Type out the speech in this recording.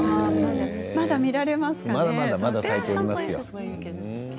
まだ見られますからね。